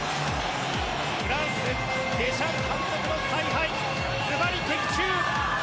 フランスデシャン監督の采配ずばり的中！